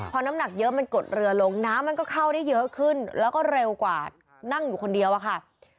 พอน้ำหนักเยอะมันกดเรือลงน้ำมันก็เข้าได้เยอะขึ้นแล้วก็เร็วกว่านั่งอยู่คนเดียวอะค่ะ